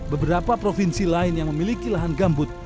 beberapa provinsi lain yang memiliki lahan gambut